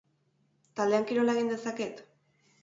Taldean kirola egin dezaket?